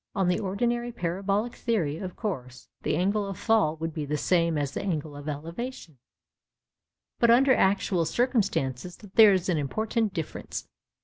On the ordinary parabolic theory, of course, the angle of fall would be the same as the angle of elevation, but under actual circumstances there is an important difference.